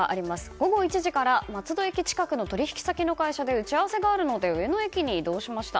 午後１時から松戸駅近くの取引先近くの会社で打ち合わせがあるので上野駅に移動しました。